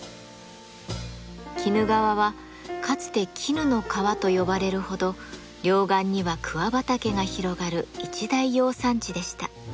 鬼怒川はかつて絹の川と呼ばれるほど両岸には桑畑が広がる一大養蚕地でした。